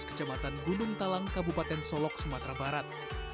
kecamatan gunung talang kabupaten solok sumatera barat